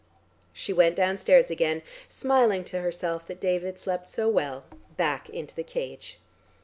She went downstairs again, smiling to herself that David slept so well, back into the cage.